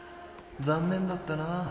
残念だったな。